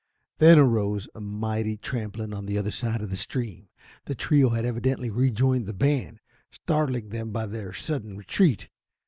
Then arose a mighty trampling on the other side of the stream. The trio had evidently rejoined the band, startling them by their sudden retreat.